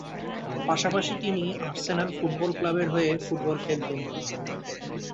পাশাপাশি তিনি Arsenal football ক্লাবের হয়ে ফুটবল খেলতেন।